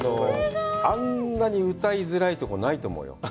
あんなに歌いづらいところないと思うよ。